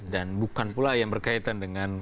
dan bukan pula yang berkaitan dengan